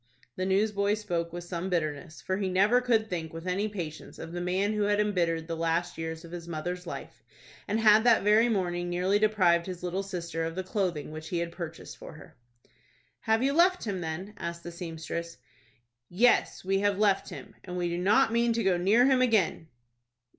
The newsboy spoke with some bitterness, for he never could think with any patience of the man who had embittered the last years of his mother's life, and had that very morning nearly deprived his little sister of the clothing which he had purchased for her. "Have you left him, then?" asked the seamstress. "Yes, we have left him, and we do not mean to go near him again."